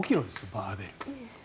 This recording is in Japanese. バーベル。